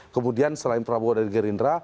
kemudian selain prabowo dari gerindra